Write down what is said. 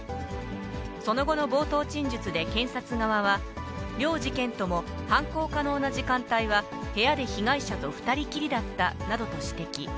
その後の冒頭陳述で検察側は、両事件とも、犯行可能な時間帯は部屋で被害者と２人きりだったなどと指摘。